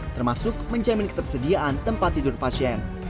termasuk menjamin ketersediaan tempat tidur pasien